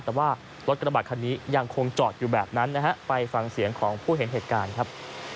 แต่ว่ารถกระบะคันนี้ยังคงจอดอยู่แบบนั้นนะฮะไปฟังเสียงของผู้เห็นเหตุการณ์ครับ